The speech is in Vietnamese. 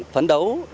phấn đấu đảm bảo